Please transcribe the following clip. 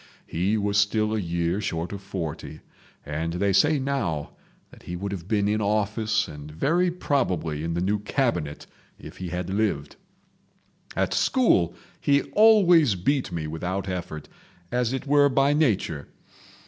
He was still a year short of forty, and they say now that he would have been in office and very probably in the new Cabinet if he had lived. At school he always beat me without effort—as it were by nature.